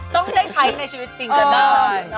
ต้องได้ใช้ในชีวิตจริงก็ได้